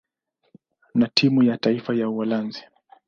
na timu ya taifa ya Uholanzi.